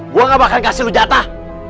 gue nggak bakal kasih lu jatah